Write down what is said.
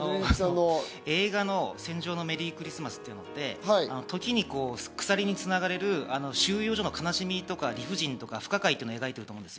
映画の『戦場のメリークリスマス』って、時に鎖に繋がれる収容所の悲しみとか理不尽とか不可解を描いてると思うんです。